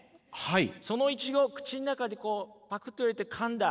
そのイチゴ口の中でパクッと入れてかんだ